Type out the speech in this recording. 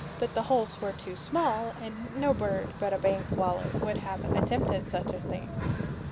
But the holes were too small, and no bird but a bank swallow would have attempted such a thing.